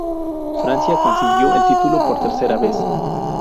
Francia consiguió el título por tercera vez.